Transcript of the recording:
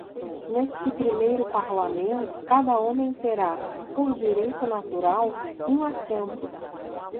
Neste primeiro parlamento, cada homem terá, por direito natural, um assento.